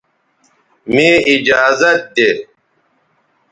مے ایجازت دے